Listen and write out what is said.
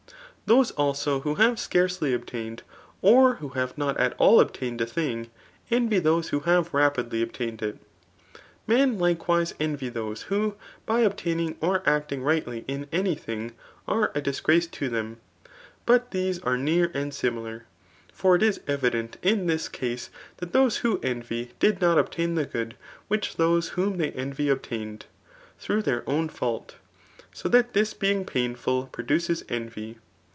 Those also who have scarcely obtained, or who have not a! :all o4>tained a thing, envy those who have rapidly obtained it. Men likewise «>vyiho&e*who, by obtlalinliig* or aiJtitig rightly in ^fibing^ are a disgrace to 'them j biii thl^^eafie^ near ind) sioiUan ' Y&c it . is evident in this>dase' th^t those wfao^ eiiVy f did not obtak the go0d ([Which those iyhcmi they ^vy Obtained] through th^ir own £aAlt j so that this being paipfui* produces envy.